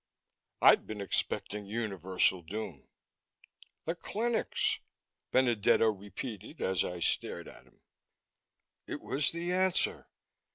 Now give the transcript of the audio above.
I'd been expecting universal doom. "The clinics," Benedetto repeated as I stared at him. It was the answer.